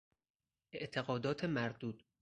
اعتقادات مردود